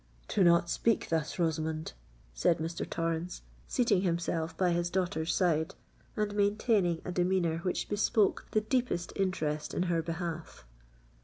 "Do not speak thus, Rosamond," said Mr. Torrens, seating himself by his daughter's side, and maintaining a demeanour which bespoke the deepest interest in her behalf.